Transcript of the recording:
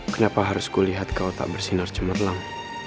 kenapa harus kulihat kau tak bersinar cemerlang